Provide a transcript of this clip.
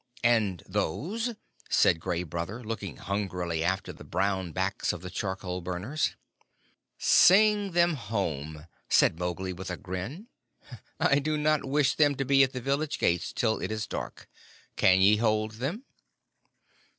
"And those?" said Gray Brother, looking hungrily after the brown backs of the charcoal burners. "Sing them home," said Mowgli with a grin; "I do not wish them to be at the village gates till it is dark. Can ye hold them?"